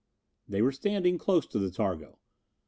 They were standing close to the targo.